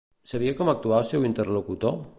Sabia com actuar el seu interlocutor?